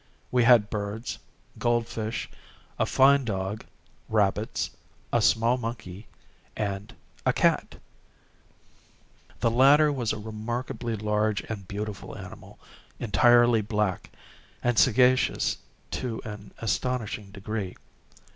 We had birds, gold fish, a fine dog, rabbits, a small monkey, and a cat. This latter was a remarkably large and beautiful animal, entirely black, and sagacious to an astonishing degree.